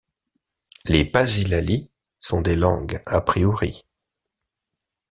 Les pasilalies sont des langues a priori.